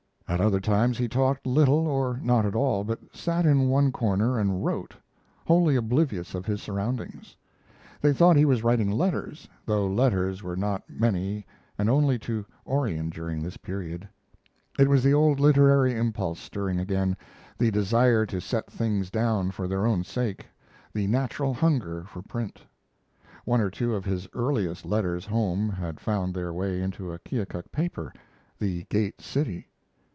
At other times he talked little or not at all, but sat in one corner and wrote, wholly oblivious of his surroundings. They thought he was writing letters, though letters were not many and only to Orion during this period. It was the old literary impulse stirring again, the desire to set things down for their own sake, the natural hunger for print. One or two of his earlier letters home had found their way into a Keokuk paper the 'Gate City'.